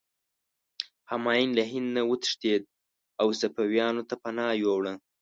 همایون له هند نه وتښتېد او صفویانو ته پناه یووړه.